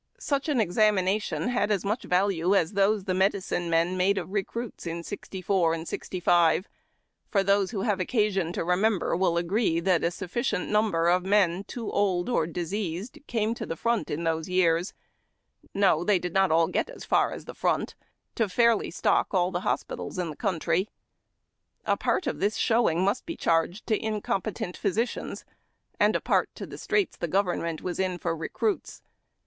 Such an examination had as much value as those tlie medicine men made of recruits in 64 and Qo, for those who have occasion to remember will agree that a suffi cient number of men too old or diseased came to the front in those years no, they did not all get as far as the front to fairly stock all the hospitals in the country. A part of this showing must be charged to incompetent physicians, and a part to the strait the government was in foi recruits.